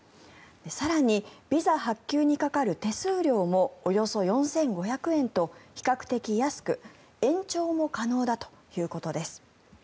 更に、ビザ発給にかかる手数料もおよそ４５００円と比較的安く延長も可能だということです。